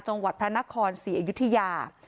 จังหวัดพระนครศรีอยุธยา